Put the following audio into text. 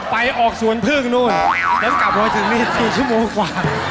ไปออกสวนพึ่งนู่นแล้วกลับมาถึงนี่๔ชั่วโมงกว่า